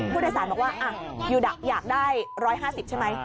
ผู้โดยสารบอกว่าอยากได้๑๕๐ใช่ไหม